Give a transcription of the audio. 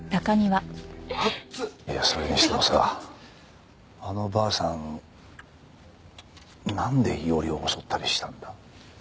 いやそれにしてもさあのばあさんなんで伊織を襲ったりしたんだ？